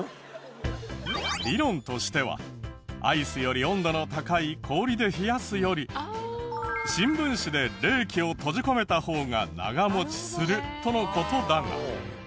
理論としてはアイスより温度の高い氷で冷やすより新聞紙で冷気を閉じ込めた方が長持ちするとの事だが。